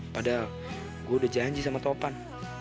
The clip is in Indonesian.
padahal gue udah janji sama topan